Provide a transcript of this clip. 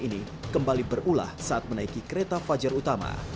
ini kembali berulah saat menaiki kereta fajar utama